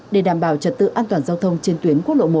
để đảm bảo trật tự an toàn giao thông trên tuyến quốc lộ một